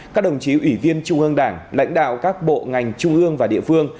các đồng chí ủy viên trung ương đảng lãnh đạo các bộ ngành trung ương và địa phương